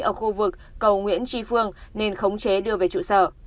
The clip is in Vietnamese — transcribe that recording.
ở khu vực cầu nguyễn tri phương nên khống chế đưa về trụ sở